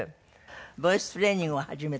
ボイストレーニングを始めた？